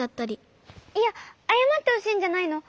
いやあやまってほしいんじゃないの。